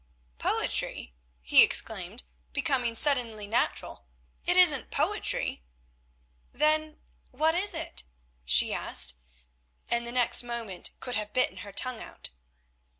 "Poetry!" he exclaimed, becoming suddenly natural, "it isn't poetry." "Then what is it?" she asked, and next moment could have bitten her tongue out.